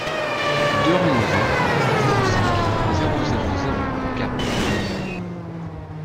deux rue Mauzan, zéro cinq, zéro zéro zéro Gap